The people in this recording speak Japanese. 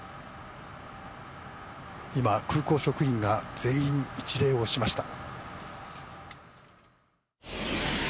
今、空港職員が全員、一礼をしました。